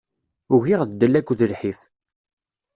Ugiɣ ddel akked lḥif.